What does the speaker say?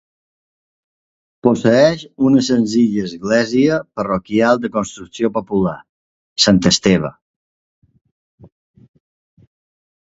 Posseeix una senzilla església parroquial de construcció popular, Sant Esteve.